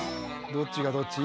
どっちがどっち？